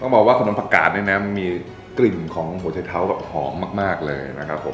บอกว่าขนมผักกาดเนี่ยนะมีกลิ่นของหัวใจเท้าแบบหอมมากเลยนะครับผม